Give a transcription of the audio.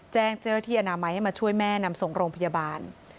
แจ้งเจ้าหน้าที่อนามัยให้มาช่วยแม่นำส่งโรงพยาบาล